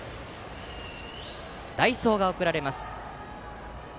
代走が送られます。